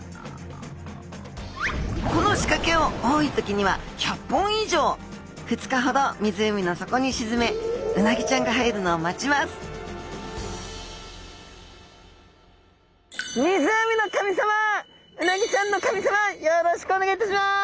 この仕掛けを多い時には１００本以上２日ほど湖の底にしずめうなぎちゃんが入るのを待ちますお願いします。